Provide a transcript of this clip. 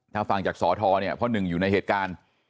ถ้าฟังจากสทเนี่ยพ่อหนึ่งอยู่ในเหตุการณ์